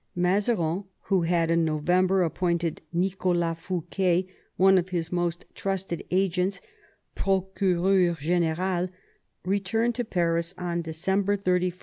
Mazarin, who had in November appointed Nicholas Fouquet, one of his most trusted agents, 'procfwreur gMral, returned to Paris on December 31, 1650.